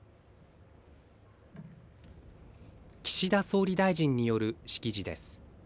岸田総理大臣による式辞です。